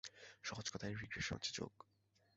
সহজ কথায় রিগ্রেশন হচ্ছে যোগ।